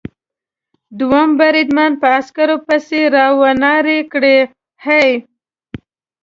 دوهم بریدمن په عسکر پسې را و نارې کړې: هې!